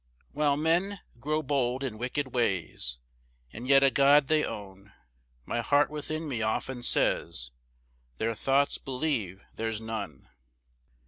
1 While men grow bold in wicked ways! And yet a God they own, My heart within me often says, "Their thoughts believe there's none."